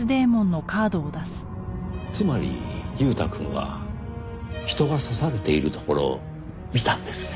つまり裕太くんは人が刺されているところを見たんですね？